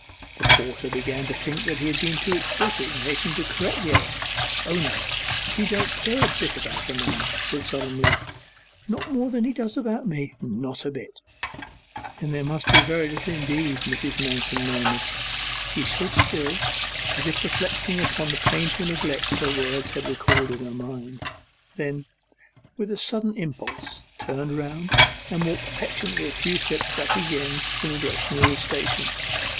The porter began to think he had been too explicit, and hastened to correct the error. 'O no, he don't care a bit about her, ma'am,' he said solemnly. 'Not more than he does about me?' 'Not a bit.' 'Then that must be little indeed,' Mrs. Manston murmured. She stood still, as if reflecting upon the painful neglect her words had recalled to her mind; then, with a sudden impulse, turned round, and walked petulantly a few steps back again in the direction of the station.